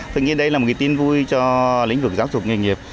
tự nhiên đây là một tin vui cho lĩnh vực giáo dục nghề nghiệp